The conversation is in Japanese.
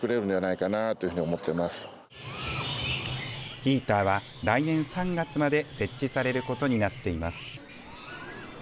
ヒーターは来年３月まで設置されることになっています。